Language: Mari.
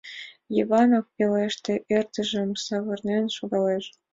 Йыван ок пелеште, ӧрдыжын савырнен шогалеш.